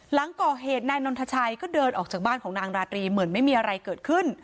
หลังก่อเหตุนายนนทชัยก็เดินออกจากบ้านของนางราตรีเหมือนไม่มีอะไรเกิดขึ้น